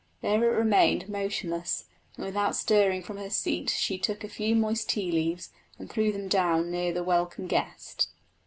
There it remained motionless, and without stirring from her seat she took a few moist tea leaves and threw them down near the welcome guest.